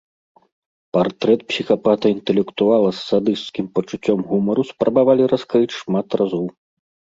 Партрэт псіхапата-інтэлектуала з садысцкім пачуццём гумару спрабавалі раскрыць шмат разоў.